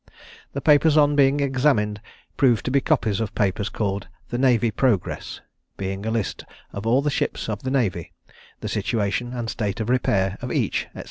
The papers on being examined proved to be copies of papers called the "Navy Progresses;" being a list of all the ships of the navy, the situation and state of repair of each, &c.